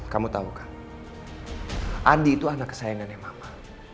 kamu tau kan andi itu anak kesayangannya mama